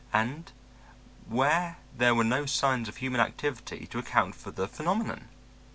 And where there were no signs of human activity to account for the phenomenon?